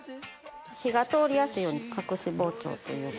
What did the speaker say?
火が通りやすいように隠し包丁というか。